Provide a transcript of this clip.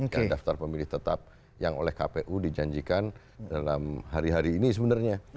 dan daftar pemilih tetap yang oleh kpu dijanjikan dalam hari hari ini sebenarnya